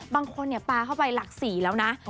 บางคนปลาเข้าไปหลัก๔แล้วนะ